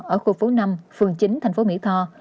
ở khu phố năm phường chín tp mì tho